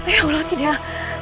ya allah tidak